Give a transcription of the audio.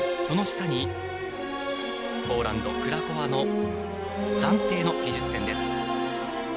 その下にポーランド、クラコワの暫定の技術点です。